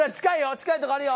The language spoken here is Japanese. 近いとこあるよ！